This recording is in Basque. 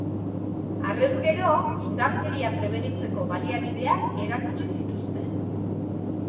Harrez gero, indarkeria prebenitzeko baliabideak erakutsi zituzten.